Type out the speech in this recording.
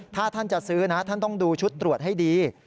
ถ้าท่านจะซื้อนะท่านต้องดูชุดตรวจให้ดี